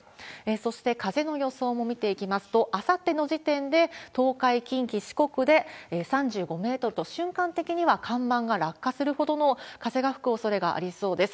そして風の予想も見ていきますと、あさっての時点で東海、近畿、四国で３５メートルと、瞬間的には看板が落下するほどの風が吹くおそれがありそうです。